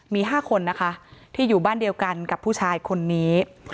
มี๕คนนะคะที่อยู่บ้านเดียวกันกับผู้ชายคนนี้